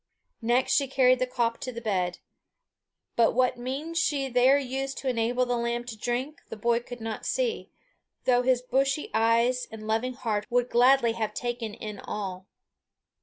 Next she carried the caup to the bed; but what means she there used to enable the lamb to drink, the boy could not see, though his busy eyes and loving heart would gladly have taken in all.